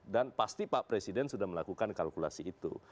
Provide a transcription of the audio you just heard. dan pasti pak presiden sudah melakukan kalkulasi itu